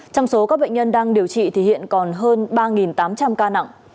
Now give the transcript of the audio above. trong số các bệnh nhân đang điều trị thì hiện còn hơn ba tám trăm linh ca nặng